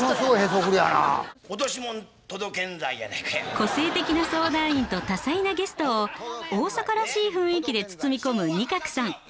個性的な相談員と多彩なゲストを大阪らしい雰囲気で包み込む仁鶴さん。